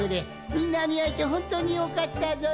みんなにあえてほんとによかったぞい。